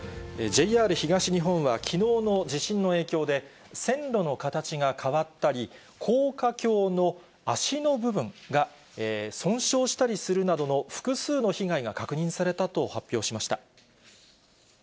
ＪＲ東日本はきのうの地震の影響で、線路の形が変わったり高架橋の脚の部分が損傷したりするなどの複数の被害が確認されたと発表しました。